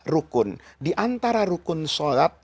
rukun diantara rukun sholat